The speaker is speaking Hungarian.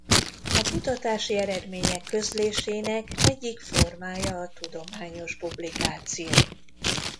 A kutatási eredmények közlésének egyik formája a tudományos publikáció.